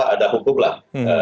ada hukum lah